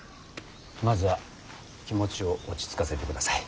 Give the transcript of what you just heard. まずは気持ちを落ち着かせてください。